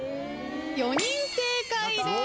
４人正解です。